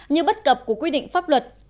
như bất cập của quy định pháp luật